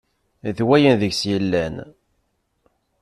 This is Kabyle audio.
D wayen deg-s yellan.